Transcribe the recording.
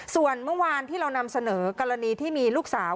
ส่วนเมื่อวานที่เรานำเสนอกรณีที่มีลูกสาว